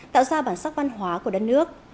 tạo ra bản sắc văn hóa của đất nước